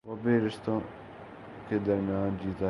وہ بھی رشتوں کے درمیان جیتا ہے۔